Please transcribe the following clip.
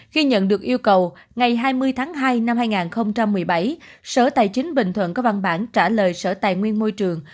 khi nhận được yêu cầu ngày hai mươi tháng hai năm hai nghìn một mươi bảy sở tài chính bình thuận có văn bản trả lời sở tài nguyên môi trường